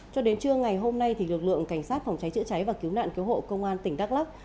cho đến trưa ngày hôm nay lực lượng cảnh sát phòng cháy chữa cháy và cứu nạn cứu hộ công an tỉnh đắk lắc